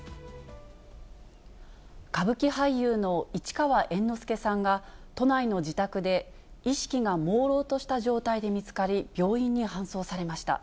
歌舞伎俳優の市川猿之助さんが、都内の自宅で意識がもうろうとした状態で見つかり、病院に搬送されました。